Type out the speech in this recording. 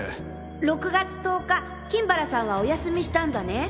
６月１０日金原さんはお休みしたんだね。